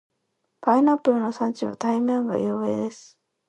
パイナップルの産地は台湾が有名です。